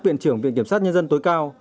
viện trưởng viện kiểm sát nhân dân tối cao